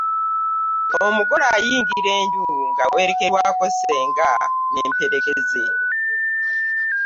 Omugole ayingira enju ng’awerekerwako ssenga n’emperekeze.